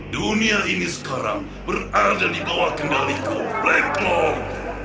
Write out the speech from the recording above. dunia ini sekarang berada di bawah kendaliku black lord